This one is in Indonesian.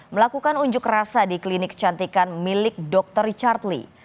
melakukan unjuk rasa di klinik kecantikan milik dr richard lee